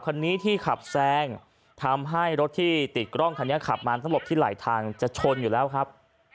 คันนี้ที่ขับแซงทำให้รถที่ติดกล้องคันนี้ขับมาทั้งหมดที่ไหลทางจะชนอยู่แล้วครับ